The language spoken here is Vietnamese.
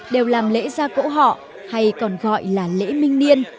đều làm lễ gia cỗ họ hay còn gọi là lễ minh niên